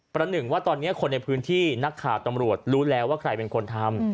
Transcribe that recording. หนึ่งว่าตอนนี้คนในพื้นที่นักข่าวตำรวจรู้แล้วว่าใครเป็นคนทำ